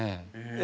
え